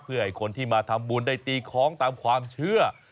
เพื่อให้คนที่มาทำบุญได้ตีคล้องตามความเชื่อ